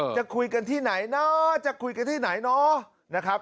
จะคุยกันที่ไหนนะจะคุยกันที่ไหนเนาะนะครับ